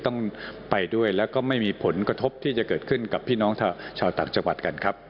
ต้องไปด้วยแล้วก็ไม่มีผลกระทบที่จะเกิดขึ้นกับพี่น้องชาวต่างจังหวัดกันครับ